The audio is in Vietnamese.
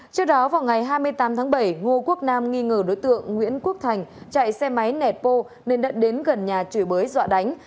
trước đó vào ngày hai mươi tám tháng bảy ngô quốc nam nghi ngờ đối tượng nguyễn quốc thành chạy xe máy nẹt bô nên đã đến gần nhà chửi bới dọa đánh